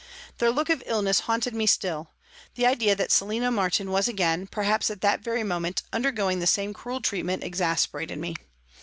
Their look of illness haunted me still. The idea that Selina Martin was again, perhaps at that very moment, undergoing the same cruel treat ment exasperated me.